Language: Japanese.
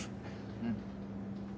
うん。